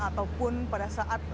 ataupun pada saat